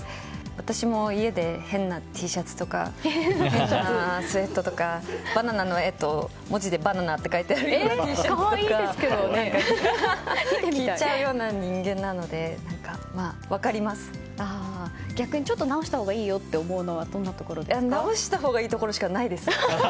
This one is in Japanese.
私も家で変なＴシャツとか変なスウェットとかバナナの絵と文字でバナナと書いてあるＴシャツとか着ちゃうような人間なので逆に、ちょっと直したほうがいいよと思うのは直したほうがいいところしかないです。